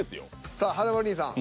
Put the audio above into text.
さあ華丸兄さん。